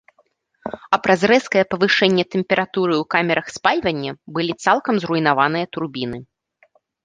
А праз рэзкае павышэнне тэмпературы ў камерах спальвання былі цалкам зруйнаваныя турбіны.